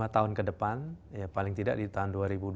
lima tahun ke depan paling tidak di tahun dua ribu dua puluh